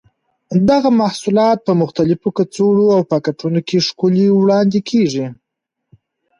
دغه محصولات په مختلفو کڅوړو او پاکټونو کې ښکلي وړاندې کېږي.